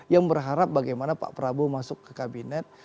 yang berharap bagaimana pak prabowo masuk ke kabinet